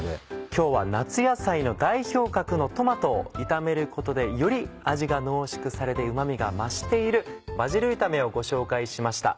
今日は夏野菜の代表格のトマトを炒めることでより味が濃縮されてうま味が増しているバジル炒めをご紹介しました。